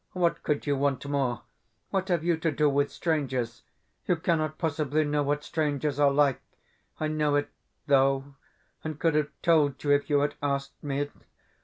What could you want more? What have you to do with strangers? You cannot possibly know what strangers are like. I know it, though, and could have told you if you had asked me.